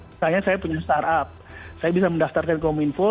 misalnya saya punya startup saya bisa mendaftarkan kominfo